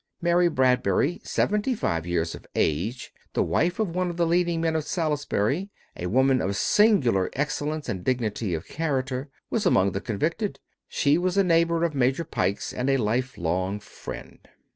Mary Bradbury, seventy five years of age, the wife of one of the leading men of Salisbury, a woman of singular excellence and dignity of character, was among the convicted. She was a neighbor of Major Pike's, and a life long friend.